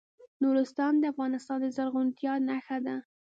نورستان د افغانستان د زرغونتیا نښه ده.